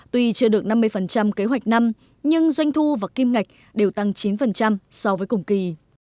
tuy chưa được năm mươi kế hoạch năm nhưng doanh thu và kim ngạch đều tăng chín so với cùng kỳ